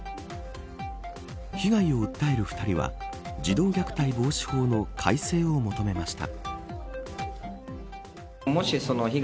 被害を訴える２人は児童虐待防止法の改正を求めました。